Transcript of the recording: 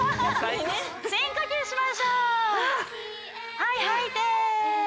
はいはいて。